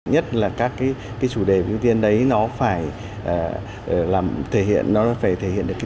nhất là các chủ đề biểu tiên đấy nó phải thể hiện được tính kế thừa